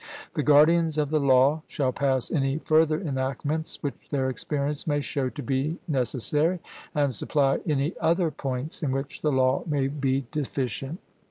The guardians of the law shall pass any further enactments which their experience may show to be necessary, and supply any other points in which the law may be deficient.